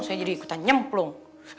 saya jadi ikutan nyemplung